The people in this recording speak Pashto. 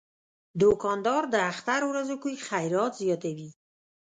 دوکاندار د اختر ورځو کې خیرات زیاتوي.